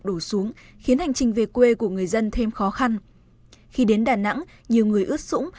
đổ xuống khiến hành trình về quê của người dân thêm khó khăn khi đến đà nẵng nhiều người ướt sũng